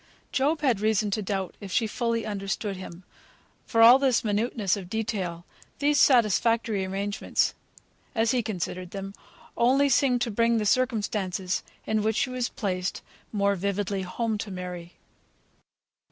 Job had reason to doubt if she fully understood him; for all this minuteness of detail, these satisfactory arrangements, as he considered them, only seemed to bring the circumstances in which she was placed more vividly home to Mary.